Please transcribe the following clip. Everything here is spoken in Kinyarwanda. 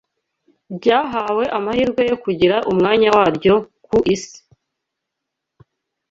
ryahawe amahirwe yo kugira umwanya waryo ku isi